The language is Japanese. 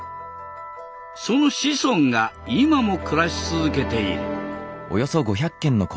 その子孫が今も暮らし続けている。